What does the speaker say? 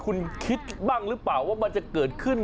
คุณคิดบ้างหรือเปล่าว่ามันจะเกิดขึ้น